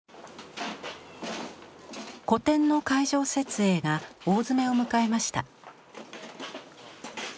個展の会場設営が大詰めを迎えました。